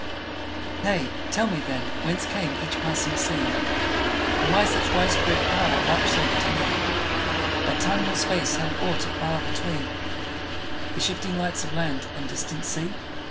Nay, tell me, then, whence came each passing scene, And why such widespread power vouchsafed to me, That time nor space held aught of bar between The shifting lights of land and distant sea?